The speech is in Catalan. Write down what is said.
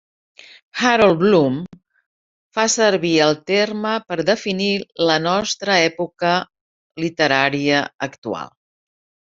Harold Bloom fa servir el terme per definir la nostra època literària actual.